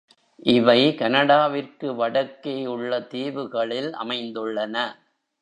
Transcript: இவை கனடா விற்கு வடக்கே உள்ள தீவுகளில் அமைந்துள்ளன.